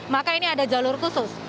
maka ini ada jalur khusus